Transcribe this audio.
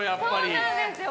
そうなんですよ。